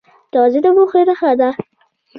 تواضع د پوهې نښه ده.